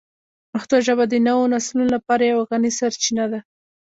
پښتو ژبه د نوو نسلونو لپاره یوه غني سرچینه ده.